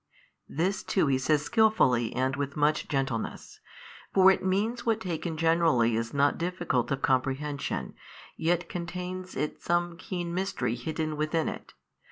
This too He says skilfully and with much gentleness. |538 For it means what taken generally is not difficult of comprehension, yet contains it some keen mystery hidden within it.